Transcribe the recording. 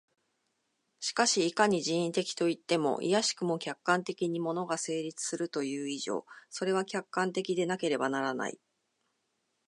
しかしいかに人為的といっても、いやしくも客観的に物が成立するという以上、それは客観的でなければならない。